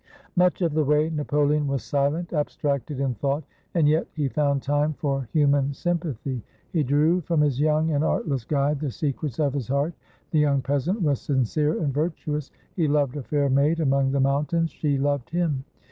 Much of the way Napoleon was silent, abstracted in thought. And yet he found time for human sympathy. He drew from his young and artless guide the secrets of his heart. The young peasant was sincere and virtuous. He loved a fair maid among the mountains. She loved him.